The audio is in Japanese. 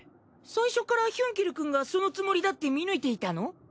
最初からヒュンケルくんがそのつもりだって見抜いていたの？